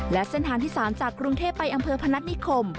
และเส้นทางที่๓จากกรุงเทพไปอำเภอพนัฐนิคม